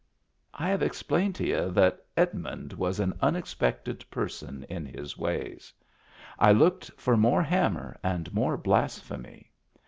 I have explained to y'u that Edmund was an unexpected person in his ways. I looked for more hammer and more blasphemy.